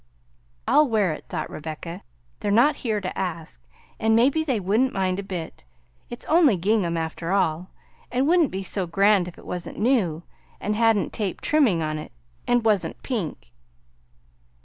"I'll wear it," thought Rebecca. "They're not here to ask, and maybe they wouldn't mind a bit; it's only gingham after all, and wouldn't be so grand if it wasn't new, and hadn't tape trimming on it, and wasn't pink."